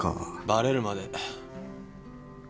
バレるまで。